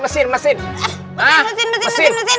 asap miskin banyaknya